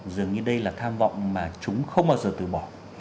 dường như đây là tham vọng mà chúng không bao giờ từ bỏ